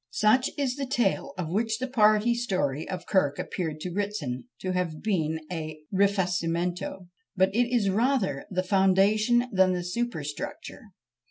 Such is the tale of which the party story of Kirk appeared to Ritson to have been a rifacimento; but it is rather the foundation than the superstructure.